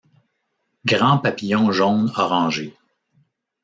Grand papillon jaune orangé.